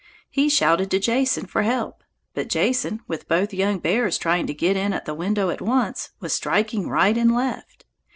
He shouted to Jason for help, but Jason, with both young bears trying to get in at the window at once, was striking right and left.